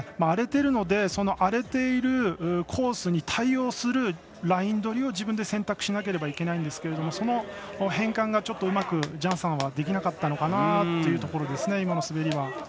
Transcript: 荒れてるので荒れているコースに対応するライン取りを、自分で選択しなければいけないんですけれどもその変換がうまくジャンさんはできなかったのかなというところですね。